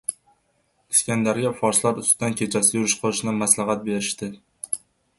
Iskandarga forslar ustiga kechasi yurish qilishni maslahat berishdi.